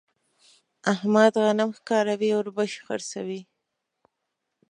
احمد غنم ښکاروي ـ اوربشې خرڅوي.